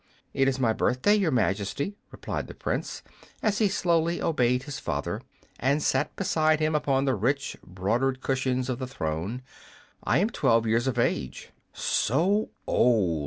"It is my birthday, Your Majesty," replied the Prince, as he slowly obeyed his father and sat beside him upon the rich broidered cushions of the throne. "I am twelve years of age." "So old!"